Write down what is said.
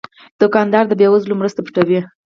دوکاندار د بې وزلو مرسته پټوي.